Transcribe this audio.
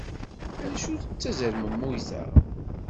Acu d tazermemmuyt-a?